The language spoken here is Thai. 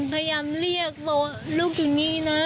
พยายามเรียกบอกว่าลูกอยู่นี่นะ